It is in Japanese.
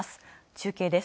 中継です。